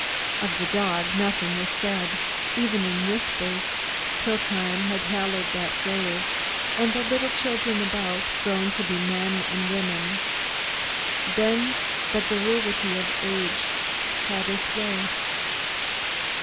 Of the dog, nothing was said, even in whispers, till time had hallowed that grave, and the little children about, grown to be men and women. Then the garrulity of age had its way.